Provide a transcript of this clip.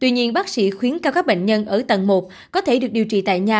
nhưng bác sĩ khuyến cao các bệnh nhân ở tầng một có thể được điều trị tại nhà